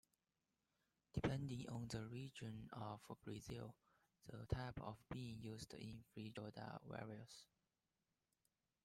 Depending on the region of Brazil, the type of bean used in feijoada varies.